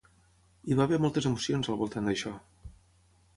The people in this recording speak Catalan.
Hi va haver moltes emocions al voltant d'això.